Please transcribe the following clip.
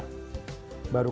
kemudian kita susun